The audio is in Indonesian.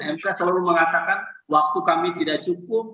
mk selalu mengatakan waktu kami tidak cukup